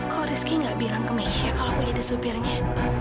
kok rizky gak bilang ke mesya kalau aku jadi supirnya